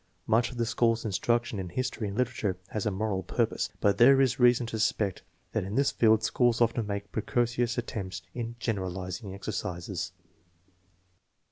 Much of the school's instruction in history and literature has a moral purpose, but there is reason to suspect that in this field schools often make precocious at tempts in " generalizing " exercises.